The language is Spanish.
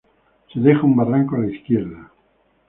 Se deja un barranco a la izquierda.